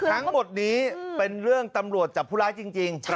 ทั้งหมดนี้เป็นเรื่องตำรวจจับผู้ร้ายจริง